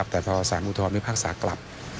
แต่พอสารพิพากษาลงโทษกลับ